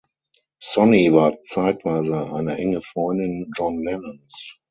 Sonny war zeitweise eine enge Freundin John Lennons.